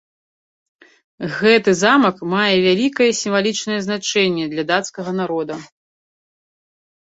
Гэты замак мае вялікае сімвалічнае значэнне для дацкага народа.